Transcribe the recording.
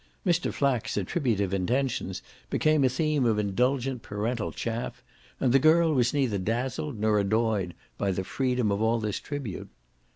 Mr. Flack's attributive intentions became a theme of indulgent parental chaff, and the girl was neither dazzled nor annoyed by the freedom of all this tribute.